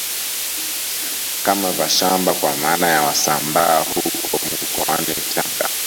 Kama Vashamba kwa maana ya Wasambaa huko mkoani Tanga